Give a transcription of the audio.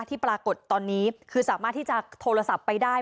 ที่ปรากฏตอนนี้คือสามารถที่จะโทรศัพท์ไปได้